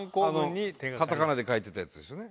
カタカナで書いてたやつですよね。